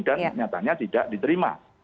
dan nyatanya tidak diterima